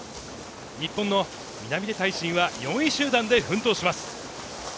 日本の南出大伸は４位集団で奮闘します。